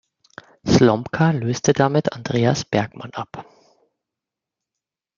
Slomka löste damit Andreas Bergmann ab.